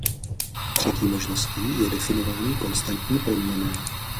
Třetí možností je definování konstantní proměnné.